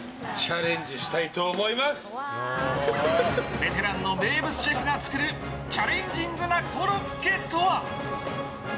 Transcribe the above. ベテランの名物シェフが作るチャレンジングなコロッケとは？